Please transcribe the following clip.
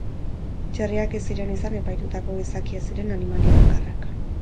Txerriak ez ziren izan epaitutako gizaki ez ziren animalia bakarrak.